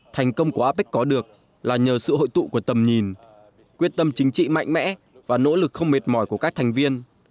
thành công của apec có được là nhờ sự hội tụ của tầm nhìn quyết tâm chính trị mạnh mẽ và nỗ lực không mệt mỏi của các thành viên